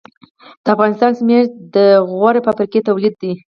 د افغانستان سمنټ د غوري فابریکې تولید دي